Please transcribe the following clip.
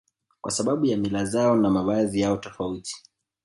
Kwa sababu ya mila zao na mavazi yao tofauti